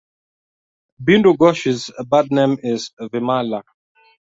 Bindu Ghosh’s birth name is Vimala.